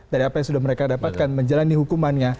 dari apa yang sudah mereka dapatkan menjalani hukumannya